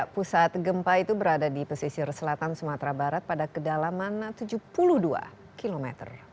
pusat gempa itu berada di pesisir selatan sumatera barat pada kedalaman tujuh puluh dua km